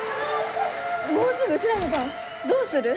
もうすぐうちらの番どうする？